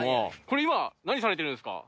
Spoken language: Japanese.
これ今何されてるんですか？